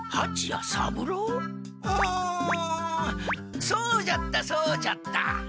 うむそうじゃったそうじゃった！